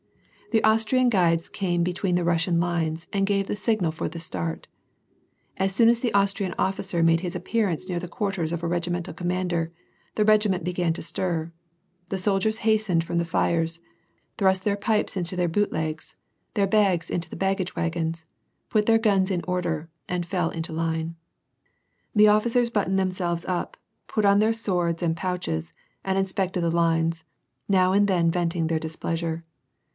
The Austrian guides came between the Russian lines, and gave the signal for the start. As soon as the Austrian offi cer made his appearance near the quarters of a regimental commander, the regiment began to stir : the soldiers hastened from the fires, thrust their pipes into their boot legs, their bags into the baggage wagons, put their guns in order, and fell into line. The officers buttoned themselves up, put on their swords and pouches, and inspected the lines, now and then venting their displeasure.